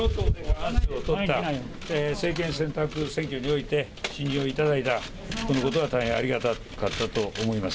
政権選択選挙において、信任を頂いた、このことは大変ありがたかったと思います。